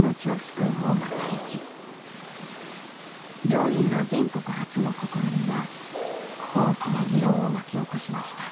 病院の全国初の試みは大きな議論を巻き起こしました。